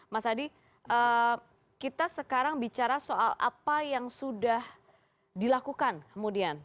mas adi kita sekarang bicara soal apa yang sudah dilakukan kemudian